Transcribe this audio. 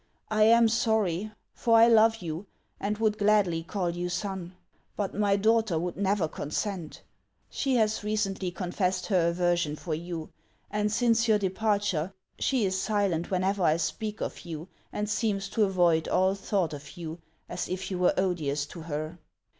" I am sorry ; for I love you, and would gladly call you son. But my daughter would never consent. She has recently confessed her aver sion for you, and since your departure she is silent when ever I speak of you, and seems to avoid all thought of you as if you were odious to her.